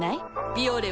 「ビオレ」